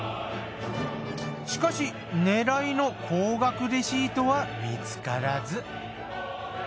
しかし狙いの高額レシートは見つからず。